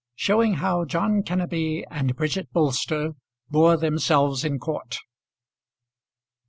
SHOWING HOW JOHN KENNEBY AND BRIDGET BOLSTER BORE THEMSELVES IN COURT.